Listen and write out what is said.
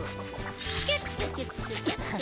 キュッキュキュッキュキュッキュ。